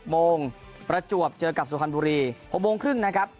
โมงประจวบเจอกับสุพรรณบุรี๖โมงครึ่งนะครับ